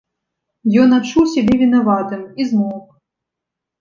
Ён адчуў сябе вінаватым і змоўк.